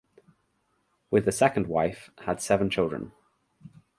With the second wife had seven children.